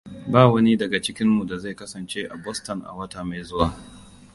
Ba wani daga cikinmu da zai kasance a Boston a wata mai zuwa.